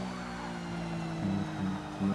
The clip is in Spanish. España y centro de Portugal.